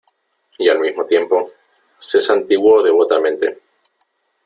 y al mismo tiempo se santiguó devotamente .